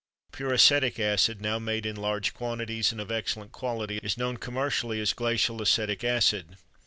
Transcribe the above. Pure acetic acid, now made in large quantities and of excellent quality, is known commercially as glacial acetic acid.